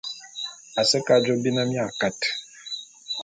A se ke ajô bi ne mia kat.